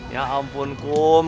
ya ampun kum